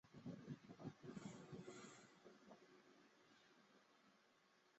莫泰人口变化图示